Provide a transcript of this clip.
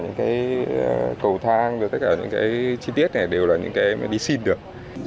nhưng mà tất cả những cái cầu thang và tất cả những cái chi tiết này đều là những cái mà đi xin được